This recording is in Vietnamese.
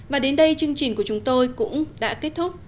và đến đây chương trình của chúng tôi cũng đã kết thúc